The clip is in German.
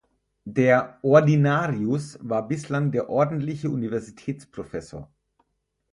Der "Ordinarius" war bislang der "ordentliche Universitätsprofessor".